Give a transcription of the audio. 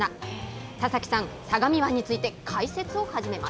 田崎さん、相模湾について解説を始めます。